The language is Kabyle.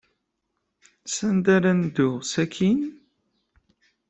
Sanda ara neddu sakkin?